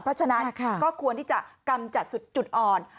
เพราะฉะนั้นก็ควรที่จะกำจัดจุดอ่อน